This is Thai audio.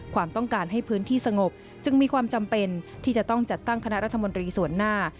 ความต้องการให้พื้นที่สงบจึงมีความจำเป็นที่จะต้องจัดตั้งคณะรัฐมนตรีส่วนหน้า